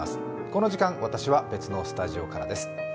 この時間、私は別のスタジオからです。